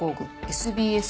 ＳＢＳ。